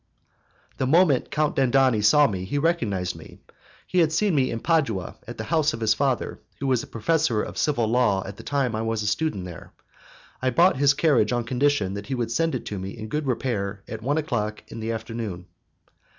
The moment Count Dandini saw me he recognized me. He had seen me in Padua at the house of his father, who was professor of civil law at the time I was a student there. I bought his carriage on condition that he would send it to me in good repair at one o'clock in the afternoon.